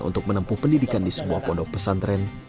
untuk menempuh pendidikan di sebuah pondok pesantren